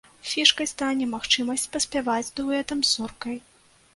Фішкай стане магчымасць паспяваць дуэтам з зоркай.